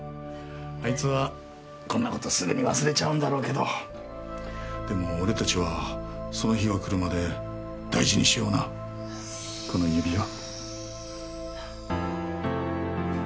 あいつはこんな事すぐに忘れちゃうんだろうけどでも俺たちはその日が来るまで大事にしようなこの指輪。